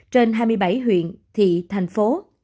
trên hai mươi bảy huyện thị thành phố